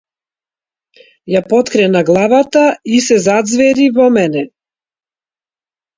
Ја поткрена главата и се заѕвери во мене.